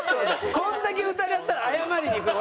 こんだけ疑ったら謝りに行く俺。